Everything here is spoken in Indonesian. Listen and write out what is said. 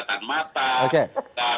terkait juga kesehatan mata